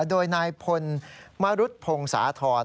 โดยนายพลมรุษพงศาธร